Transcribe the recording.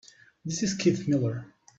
This is Keith Miller.